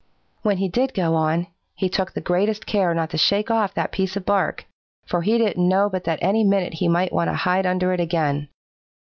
When he did go on, he took the greatest care not to shake off that piece of bark, for he didn't know but that any minute he might want to hide under it again.